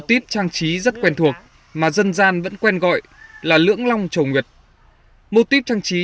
típ trang trí rất quen thuộc mà dân gian vẫn quen gọi là lưỡng long trầu nguyệt mô típ trang trí